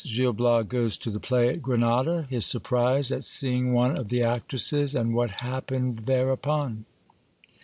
— Gil Bias goes to the play at Grenada. His surprise at seeing one of the actresses, and what happened thereupon.